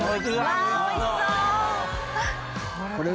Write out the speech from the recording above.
あぁおいしそう！